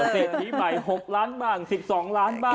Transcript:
เศรษฐีใหม่๖ล้านบ้าง๑๒ล้านบ้าง